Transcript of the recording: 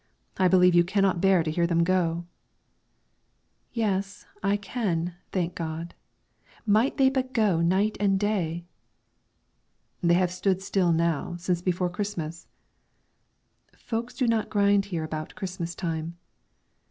I believe you cannot bear to hear them go." "Yes, I can, thank God! might they but go night and day!" "They have stood still now, since before Christmas." "Folks do not grind here about Christmas time."